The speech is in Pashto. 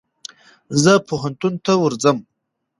زه پوهنتون ته ورځم.